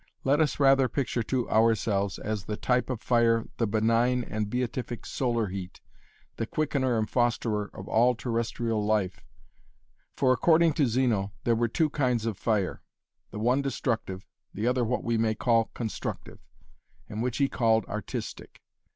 Let us rather picture to ourselves as the type of fire the benign and beatific solar heat, the quickener and fosterer of all terrestrial life. For according to Zeno, there were two kinds of fire, the one destructive, the other what we may call 'constructive,' and which he called 'artistic'.